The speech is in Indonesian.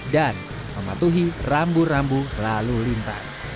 dan mematuhi rambu rambu lalu lintas